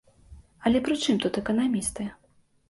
Але прычым тут эканамісты?